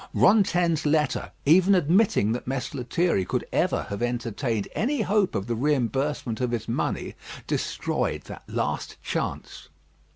Rantaine's letter, even admitting that Mess Lethierry could ever have entertained any hope of the reimbursement of his money, destroyed that last chance.